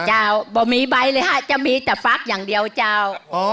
เจ้าบ่มีใบเลยค่ะจะมีแต่ฟักอย่างเดียวเจ้า